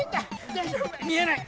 見えない。